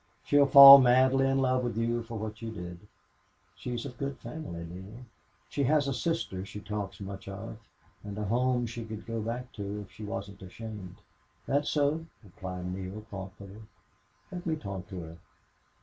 She'll fall madly in love with you for what you did.... She's of good family, Neale. She has a sister she talks much of, and a home she could go back to if she wasn't ashamed." "That so?" replied Neale, thoughtfully. "Let me talk to her."